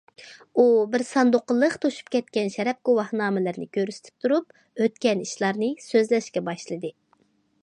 ئۇ بىر ساندۇققا لىق توشۇپ كەتكەن شەرەپ گۇۋاھنامىلىرىنى كۆرسىتىپ تۇرۇپ، ئۆتكەن ئىشلارنى سۆزلەشكە باشلىدى.